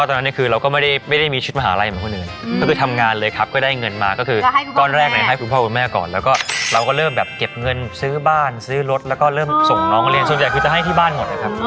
ตอนนี้ต้องเรียกรู้ว่าตอนเนี้ยในวงการว่ามีใครเรียกพี่อ๋อมเหมือนน้องอ๋อมบ้าง